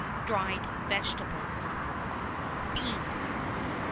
DRIED VEGETABLES. BEANS.